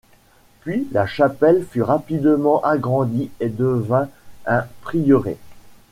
Puis la chapelle fut rapidement agrandie et devint un prieuré.